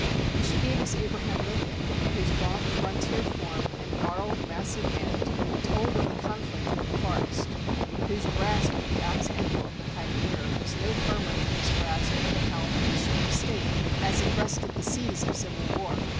She gave us Abraham Lincoln, whose gaunt frontier form and gnarled, massive hand told of the conflict with the forest, whose grasp of the ax handle of the pioneer was no firmer than his grasp of the helm of the ship of state as it breasted the seas of civil war.